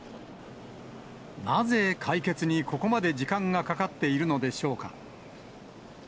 なぜ解決にここまで時間がかかっているのでしょうか。